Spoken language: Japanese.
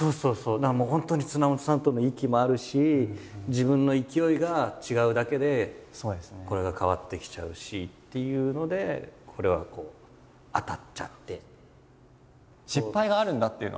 だからもう本当に綱元さんとの息もあるし自分の勢いが違うだけでこれが変わってきちゃうしっていうのでこれはこう当たっちゃって。